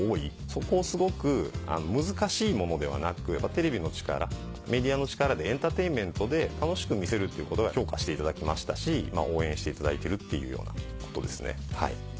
そこをすごく難しいものではなくテレビの力メディアの力でエンターテインメントで楽しく見せるっていうことは評価していただきましたし応援していただいてるっていうようなことですね。